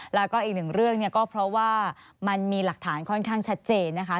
แล้วก็อีกหนึ่งเรื่องเนี่ยก็เพราะว่ามันมีหลักฐานค่อนข้างชัดเจนนะคะ